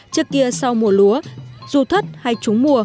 trước kia sau mùa lúa dù thất hay trúng mùa